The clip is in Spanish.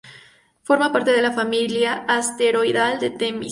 Forma parte de la familia asteroidal de Temis.